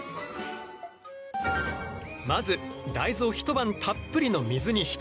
まず大豆を一晩たっぷりの水に浸す。